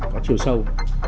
có chiều sâu